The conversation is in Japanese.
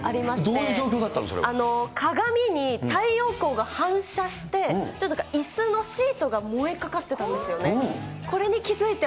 どういう状況だったの、鏡に太陽光が反射して、ちょっといすのシートが燃えかかってたんですよね。